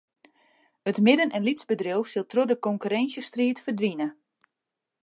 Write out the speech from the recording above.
It midden- en lytsbedriuw sil troch de konkurrinsjestriid ferdwine.